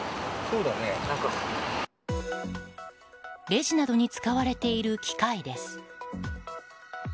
レジなどに使われている機械です。